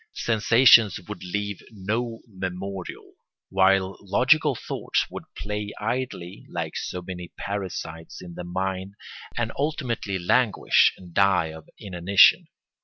Sensations would leave no memorial; while logical thoughts would play idly, like so many parasites in the mind, and ultimately languish and die of inanition.